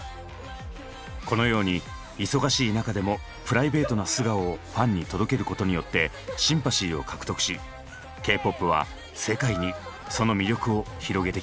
このように忙しい中でもプライベートな素顔をファンに届けることによってシンパシーを獲得しＫーＰＯＰは世界にその魅力を広げてきた。